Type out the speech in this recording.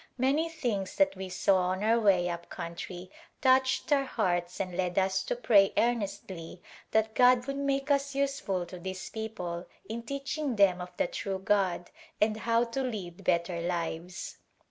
Many things that we saw on our wav up countrv touched our hearts and led us to pray earnestly that God would make us useful to this people in teaching them of the true God and how to lead better lives.